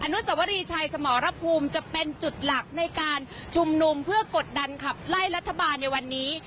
นุสวรีชัยสมรภูมิจะเป็นจุดหลักในการชุมนุมเพื่อกดดันขับไล่รัฐบาลในวันนี้